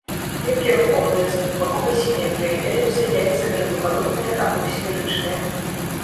Клеткі рухомыя, з двухбаковай сіметрыяй, эліпса-, яйца-, грыбападобныя або сферычныя.